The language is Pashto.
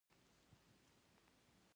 دهراوت هم بد نه دئ.